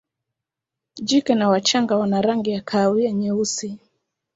Jike na wachanga wana rangi ya kahawa nyeusi.